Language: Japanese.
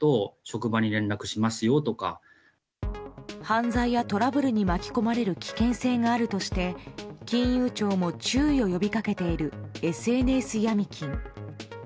犯罪やトラブルに巻き込まれる危険性があるとして金融庁も注意を呼びかけているＳＮＳヤミ金。